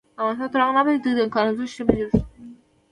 افغانستان تر هغو نه ابادیږي، ترڅو د کانالیزاسیون سیستم جوړ نشي.